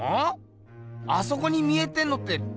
あそこに見えてんのって土手？